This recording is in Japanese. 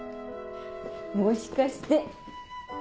もしかして。